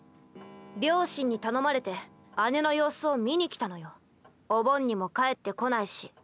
両親に頼まれて姉の様子を見に来たのよ。お盆にも帰って来ないし。